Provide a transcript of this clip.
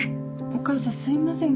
お母さんすいません